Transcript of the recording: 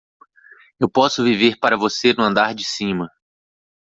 Eu posso viver para você no andar de cima.